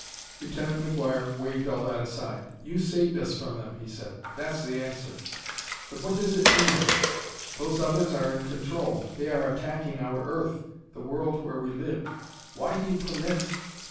Lieutenant McGuire waved all that aside. "You saved us from them," he said; "that's the answer. But what does it mean? Those others are in control; they are attacking our Earth, the world where we lived. Why do you permit